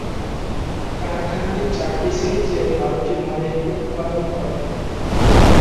কারখানাটি চারটি সিরিজের বারোটি মডেল উৎপাদন করে।